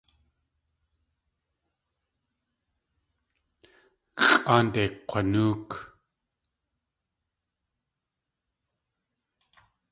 Xʼáande kg̲wanóok.